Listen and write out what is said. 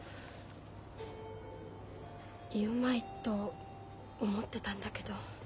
言うまいと思ってたんだけど。